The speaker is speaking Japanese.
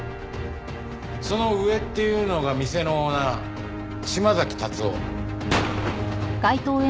その上っていうのが店のオーナー島崎達夫。